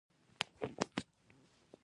آیا ترکیه په ساختماني برخه کې فعاله ده؟